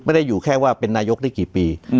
อยู่แค่ว่าเป็นนายกได้กี่ปี